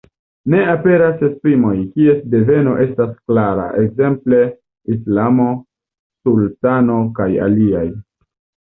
Ne aperas esprimoj, kies deveno estas klara, ekzemple islamo, sultano kaj aliaj.